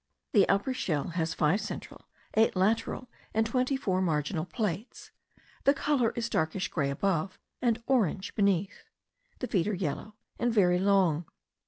The upper shell has five central, eight lateral, and twenty four marginal plates. The colour is darkish grey above, and orange beneath. The feet are yellow, and very long.